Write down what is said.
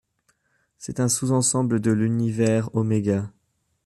C'est un sous-ensemble de l'univers Ω.